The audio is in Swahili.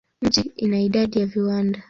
Mji ina idadi ya viwanda.